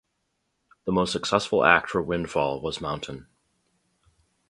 The most successful act for Windfall was Mountain.